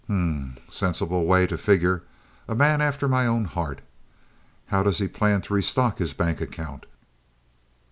"Hmmm sensible way to figure. A man after my own heart. How does he plan to restock his bank account?"